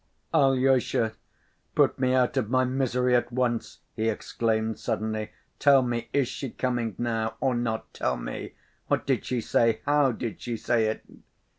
"Alyosha, put me out of my misery at once!" he exclaimed suddenly. "Tell me, is she coming now, or not? Tell me? What did she say? How did she say it?"